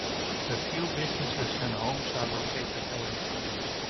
A few businesses and homes are located there.